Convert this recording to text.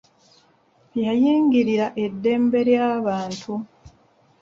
Yayingirira eddembe ly'abantu.